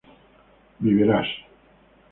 vivirás